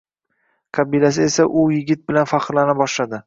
Qabilasi esa u yigit bilan fahrlana boshladi